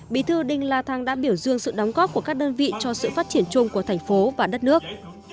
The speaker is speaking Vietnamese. bí thư đinh la thăng đã biểu dương sự đóng góp của các đơn vị cho sự phát triển chung của thành phố và đất nước